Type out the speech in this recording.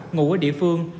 ngủ ở địa phương